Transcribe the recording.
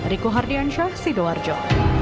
riku hardiansyah sidoarjo